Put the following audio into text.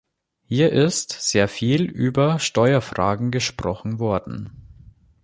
Hier ist sehr viel über Steuerfragen gesprochen worden.